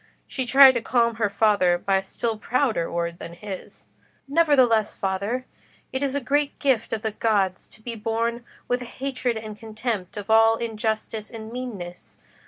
She tried to calm her father by a still prouder word than his. "Nevertheless, father, it is a great gift of the gods to be born with a hatred and contempt of all injustice and meanness.